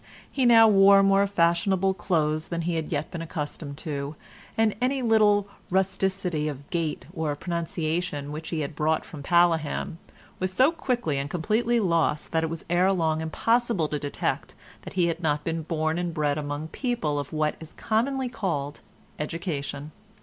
He now wore more fashionable clothes than he had yet been accustomed to, and any little rusticity of gait or pronunciation which he had brought from Paleham, was so quickly and completely lost that it was ere long impossible to detect that he had not been born and bred among people of what is commonly called education.